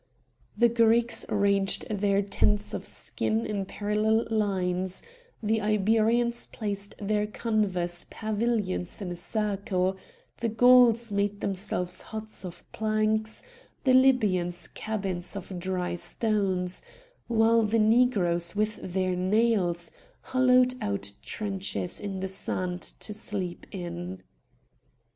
The Greeks ranged their tents of skin in parallel lines; the Iberians placed their canvas pavilions in a circle; the Gauls made themselves huts of planks; the Libyans cabins of dry stones, while the Negroes with their nails hollowed out trenches in the sand to sleep in.